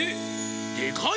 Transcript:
でかい！